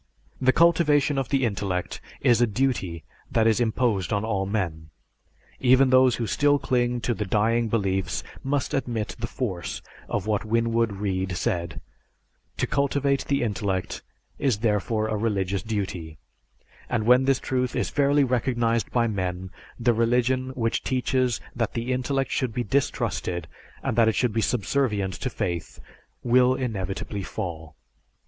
The cultivation of the intellect is a duty that is imposed on all men. Even those who still cling to the dying beliefs must admit the force of what Winwood Reade said, "To cultivate the intellect is therefore a religious duty; and when this truth is fairly recognized by men, the religion which teaches that the intellect should be distrusted and that it should be subservient to faith, will inevitably fall."